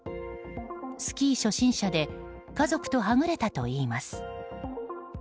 スキー初心者で家族とはぐれたといいます。